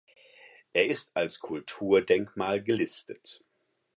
Er ist als Kulturdenkmal gelistet.